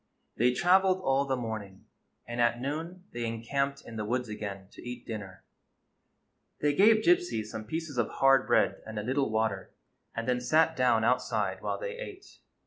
They traveled all the morning, and at noon they encamped in the woods again to eat dinner. They gave Gypsy some pieces of hard bread and a little water, and then sat down outside while they ate.